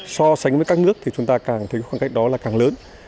so sánh với các nước chúng ta thấy khoảng cách đó càng lớn